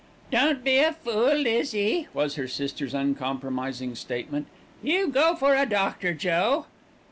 "Don't be a fool, Lizzie," was her sister's uncompromising comment. "You go for a doctor, Joe."